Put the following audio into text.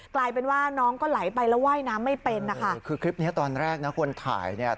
กลายเป็นว่าน้องก็ไหลไปแล้วว่ายน้ำไม่เป็นนะคะคือคลิปเนี้ยตอนแรกนะคนถ่ายเนี่ย